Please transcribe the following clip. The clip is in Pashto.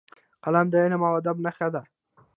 قلم د علم او ادب نښه ده